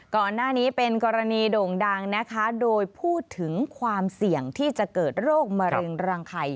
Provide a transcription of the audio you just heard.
ก่อนหน้านี้เป็นกรณีโด่งดังนะคะโดยพูดถึงความเสี่ยงที่จะเกิดโรคมะเร็งรังไข่